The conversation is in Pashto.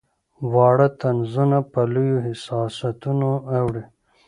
واړه طنزونه په لویو حساسیتونو اوړي.